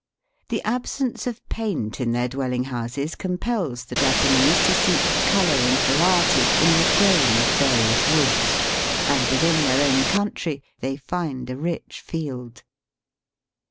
The absence of paint in their dwelling houses compels the Japanese to seek colour and variety in the grain of various woods, and within their own country they find a rich field.